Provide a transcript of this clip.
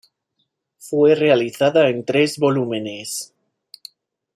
Fue realizada en tres volúmenes.